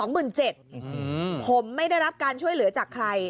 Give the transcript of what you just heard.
ผมไม่ได้รับการช่วยเหลือจากใคร